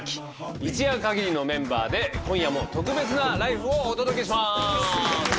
一夜限りのメンバーで今夜も特別な「ＬＩＦＥ！」をお届けします！